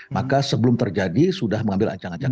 maka sebelum terjadi sudah mengambil ancang ancang